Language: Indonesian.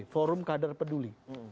forum kadar peduli